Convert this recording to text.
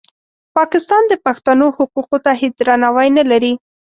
پاکستان د پښتنو حقوقو ته هېڅ درناوی نه لري.